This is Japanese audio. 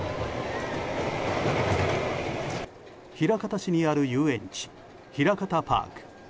枚方市にある遊園地ひらかたパーク。